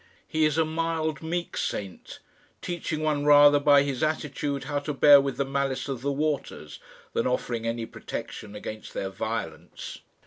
He is a mild, meek saint, teaching one rather by his attitude how to bear with the malice of the waters, than offering any protection against their violence.